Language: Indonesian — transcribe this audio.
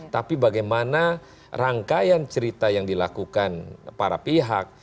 tapi bagaimana rangkaian cerita yang dilakukan para pihak